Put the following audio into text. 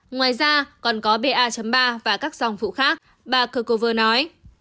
ngoài ra còn có ba ba và các dòng phụ khác bà cơ cơ vơ nói